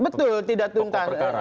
betul tidak tuntas